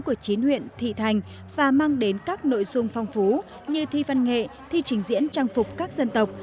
của chín huyện thị thành và mang đến các nội dung phong phú như thi văn nghệ thi trình diễn trang phục các dân tộc